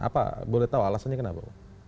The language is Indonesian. apa boleh tahu alasannya kenapa